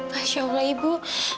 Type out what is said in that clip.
masya allah ibu